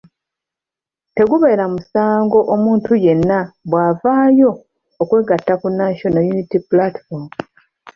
Tegubeera musango omuntu yenna bw'avaayo okwegatta ku National Unity Platform.